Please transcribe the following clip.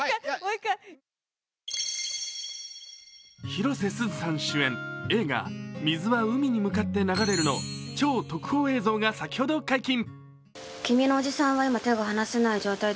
広瀬すずさん主演映画「水は海に向かって流れる」の超特報映像が先ほど解禁。